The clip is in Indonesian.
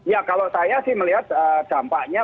ya kalau saya sih melihat dampaknya